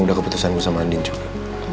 udah keputusan gue sama andin juga